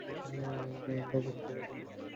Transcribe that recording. একদিন আমার ঘোড়াটি দেখে নিও।